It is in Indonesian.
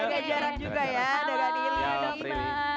jaga jarak juga ya dengan diri